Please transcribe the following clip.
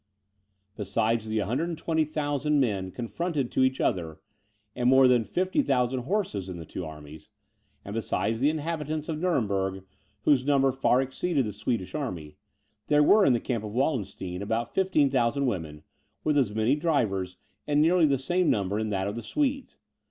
Besides the 120,000 men confronted to each other, and more than 50,000 horses, in the two armies, and besides the inhabitants of Nuremberg, whose number far exceeded the Swedish army, there were in the camp of Wallenstein about 15,000 women, with as many drivers, and nearly the same number in that of the Swedes.